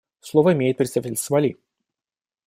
Слово имеет представитель Сомали.